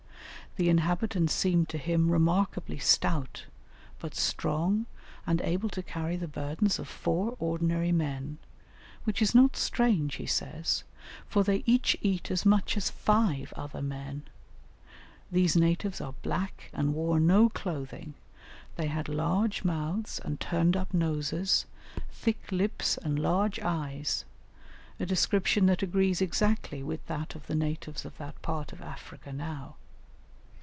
The inhabitants seemed to him remarkably stout, but strong and able to carry the burdens of four ordinary men, "which is not strange," he says, "for they each eat as much as five other men;" these natives were black and wore no clothing, they had large mouths and turned up noses, thick lips, and large eyes, a description that agrees exactly with that of the natives of that part of Africa now.